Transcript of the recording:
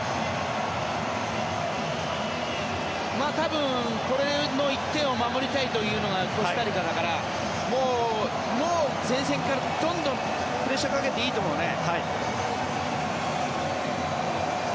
多分、この１点を守りたいというのがコスタリカだからもう前線からどんどんプレッシャーをかけていいと思うね。